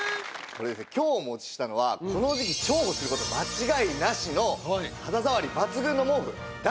今日お持ちしたのはこの時期重宝する事間違いなしの肌触り抜群の毛布暖